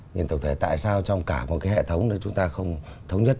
nhìn tổng thể tại sao trong cả một cái hệ thống chúng ta không thống nhất